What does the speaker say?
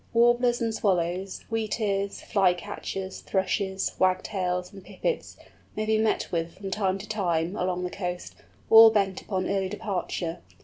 Warblers and Swallows, Wheatears, Flycatchers, Thrushes, Wagtails, and Pipits, may be met with from time to time, along the coast, all bent upon early departure.